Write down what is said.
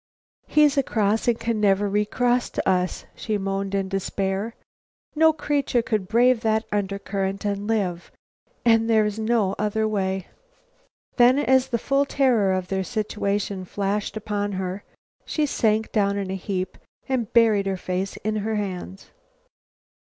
"He's across and can never recross to us," she moaned in despair. "No creature could brave that undercurrent and live. And there is no other way." Then, as the full terror of their situation flashed upon her, she sank down in a heap and buried her face in her hands.